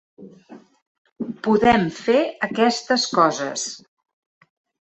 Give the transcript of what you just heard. Podem fer aquestes coses.